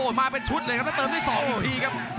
โอ้โหมาเป็นชุดเลยครับต้องเติมด้วย๒อีกทีครับ